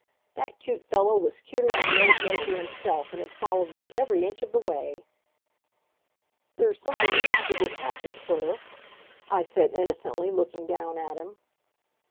That cute fellow was cuter than the old Major himself, and had followed me every inch of the way. "There's something loose with this hatchet, sir," I said, innocently looking down at him.